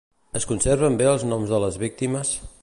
Es conserven bé els noms de les víctimes?